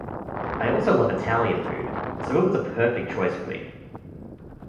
I also love Italian food, so it was a perfect choice for me.